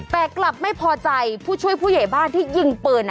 แต่กลับไม่พอใจผู้ช่วยผู้ใหญ่บ้านที่ยิงปืน